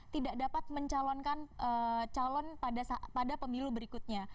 tidak dapat mencalonkan calon pada pemilu berikutnya